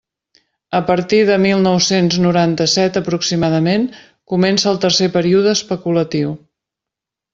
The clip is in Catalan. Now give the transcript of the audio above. A partir de mil nou-cents noranta-set aproximadament comença el tercer període especulatiu.